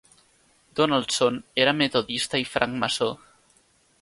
Donaldson era metodista i francmaçó.